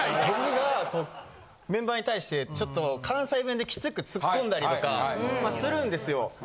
僕がメンバーに対して、ちょっと、関西弁できつくツッコんだりとかするんですよ。